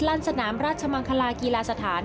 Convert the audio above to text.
สนามราชมังคลากีฬาสถาน